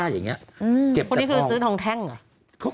พวกนี้คือซื้อทองแท่งด้วย